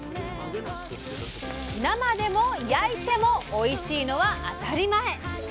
生でも焼いてもおいしいのは当たり前！